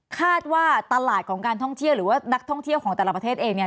คาดว่าตลาดของการท่องเที่ยวหรือว่านักท่องเที่ยวของแต่ละประเทศเองเนี่ย